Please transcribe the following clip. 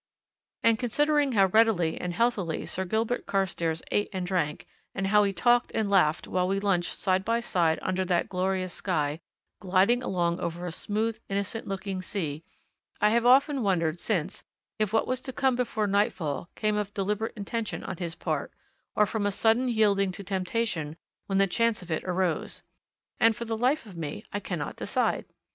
And, considering how readily and healthily Sir Gilbert Carstairs ate and drank, and how he talked and laughed while we lunched side by side under that glorious sky, gliding away over a smooth, innocent looking sea, I have often wondered since if what was to come before nightfall came of deliberate intention on his part, or from a sudden yielding to temptation when the chance of it arose and for the life of me I cannot decide!